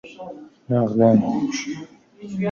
نقدا ً